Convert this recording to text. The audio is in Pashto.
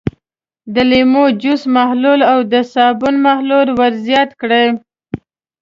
د لیمو جوس محلول او د صابون محلول ور زیات کړئ.